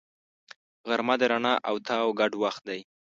غرمه د رڼا او تاو ګډ وخت دی